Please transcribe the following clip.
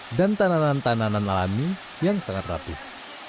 terima kasih enabling mekoj hutang dan tanaman tanaman alami yang sangat rapih